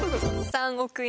３億円！